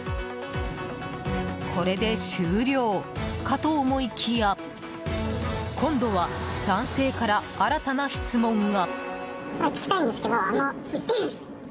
これで終了かと思いきや今度は男性から新たな質問が。